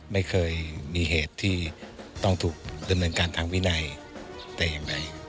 ไม่เคยมีเหตุที่ต้องถูกดำเนินการทางวินัยแต่อย่างใด